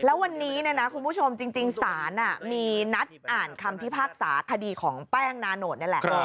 และวันนี้จริงศาลมีนัดอ่านคำพิพากษาคดีของแป้งนาโนตนี่แหละ